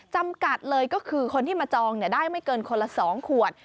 จำกัดเลยก็คือคนที่มาจองได้ไม่เกินคนละ๒ขวด